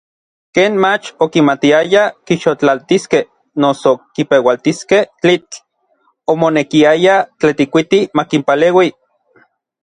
Ken mach okimatiayaj kixotlaltiskej noso kipeualtiskej tlitl, omonekiaya Tetlikuiti makinpaleui.